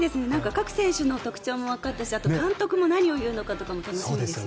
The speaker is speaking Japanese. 各選手の特徴もわかったし監督も何を言うのかも楽しみですね。